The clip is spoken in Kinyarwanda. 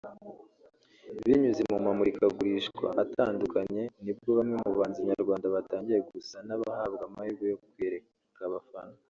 Biciye mu ma murikagurishwa atandukanye nibwo bamwe mu bahanzi nyarwanda batangiye gusa n'abahabwa amahirwe yo kwiyereka abafana